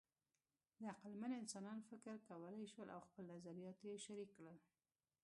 د عقلمن انسانان فکر کولی شول او خپل نظریات یې شریک کړل.